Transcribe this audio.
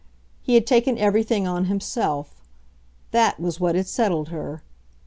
He had taken everything on himself THAT was what had settled her.